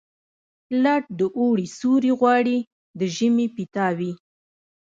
لټ د اوړي سیوري غواړي، د ژمي پیتاوي.